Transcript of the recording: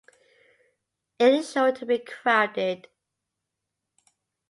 It is sure to be crowded.